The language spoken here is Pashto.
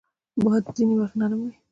باد ځینې وخت نرم وي